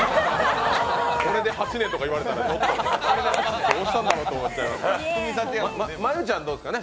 これで８年とか言われたらどうしたんだろうと思っちゃいますから。